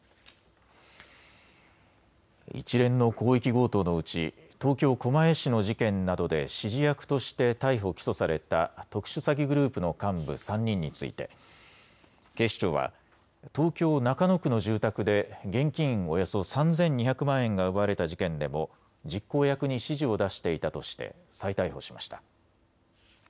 一連の広域強盗のうち東京狛江市の事件などで指示役として逮捕・起訴された特殊詐欺グループの幹部３人について警視庁は東京中野区の住宅で現金およそ３２００万円が奪われた事件でも実行役に指示を出していたとして再逮捕しました。